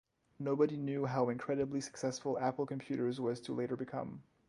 Nobody knew how incredibly successful Apple Computers was to later become.